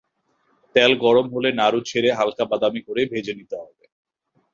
তেল গরম হলে নাড়ু ছেড়ে হালকা বাদামি করে ভেজে নিতে হবে।